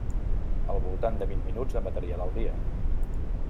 Al voltant de vint minuts de material al dia.